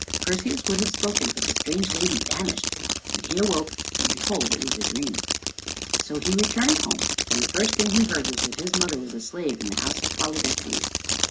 Perseus would have spoken, but the strange lady vanished, and he awoke, and behold it was a dream. So he returned home, and the first thing he heard was that his mother was a slave in the house of Polydectes.